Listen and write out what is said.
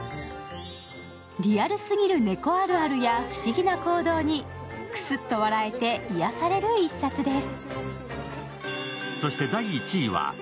リアルすぎる猫あるあるや不思議な行動にクスっと笑えて癒やされる一冊です。